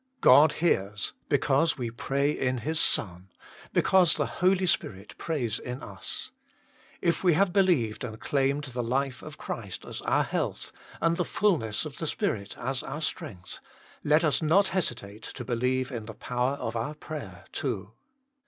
God hears because we pray in His Son, because the Holy Spirit prays in us. If we have believed and claimed the life of Christ as our health, and the fulness of the Spirit as our strength, let us not hesitate to believe in the power of our prayer too.